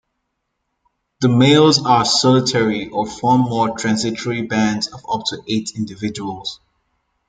The males are solitary or form more transitory bands of up to eight individuals.